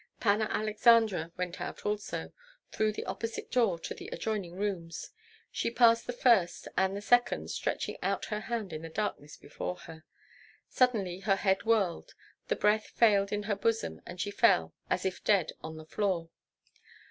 Panna Aleksandra went out also, through the opposite door, to the adjoining rooms. She passed the first and the second, stretching out her hand in the darkness before her; suddenly her head whirled, the breath failed in her bosom, and she fell, as if dead, on the floor.